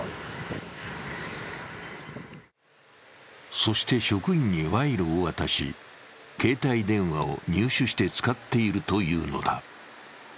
そして職員に賄賂を渡し、携帯電話を入手して使っているというのだ。